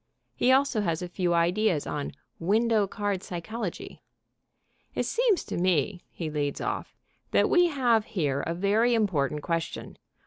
He also has a few ideas on Window Card Psychology. "It seems to me," he leads off, "that we have here a very important question.